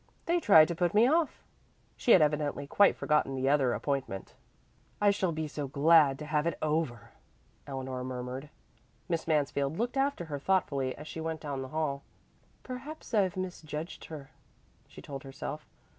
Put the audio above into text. They try to put me off." She had evidently quite forgotten the other appointment. "I shall be so glad to have it over," Eleanor murmured. Miss Mansfield looked after her thoughtfully as she went down the hall. "Perhaps I've misjudged her," she told herself.